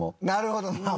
なるほど。